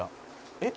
えっ？